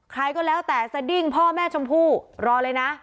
ใครก็แล้วแต่สดิ้งพ่อแม่ชมพู่รอเลยนะ